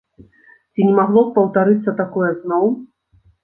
Ці не магло б паўтарыцца такое зноў?